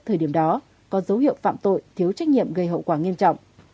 thời điểm đó có dấu hiệu phạm tội thiếu trách nhiệm gây hậu quả nghiêm trọng